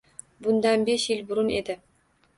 Bundan besh yil burun edi.